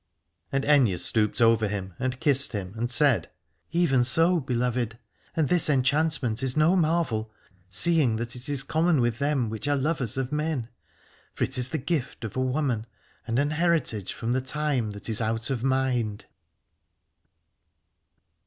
And Aithne stooped over him and kissed him and said : Even so, beloved, and this enchantment is no marvel, seeing that it is common with them which are lovers of men : for it is the gift of a woman, and an heritage from the time that is out of mind.